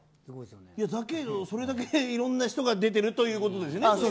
それだけいろんな人が出ているということですよね。